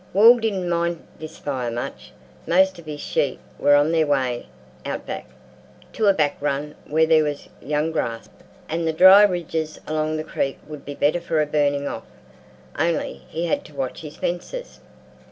Wall didn't mind this fire much; most of his sheep were on their way out back, to a back run where there was young grass; and the dry ridges along the creek would be better for a burning off—only he had to watch his fences.